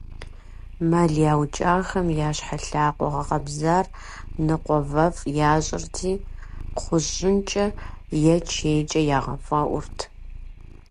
Мэл яукӀахэм я щхьэ-лъакъуэ гъэкъэбзар ныкъуэвэфӀ ящӀырти, кхъуэщынкӀэ е чейкӀэ ягъэфӀэӀурт.